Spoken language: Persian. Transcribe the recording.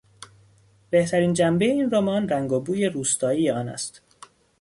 بهترین جنبهی این رمان رنگ و بوی روستایی آن است.